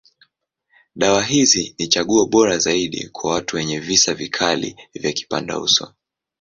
Dawa hizi ni chaguo bora zaidi kwa watu wenye visa vikali ya kipandauso.